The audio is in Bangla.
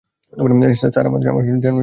স্যার, আমাদের স্টুডেন্টরা যেন নিরাপদে থাকে।